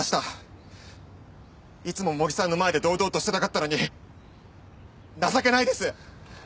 いつも茂木さんの前で堂々としていたかったのに情けないです！